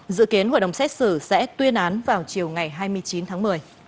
dự kiến hội đồng xét xử sẽ tuyên án vào chiều ngày hai mươi chín tháng một mươi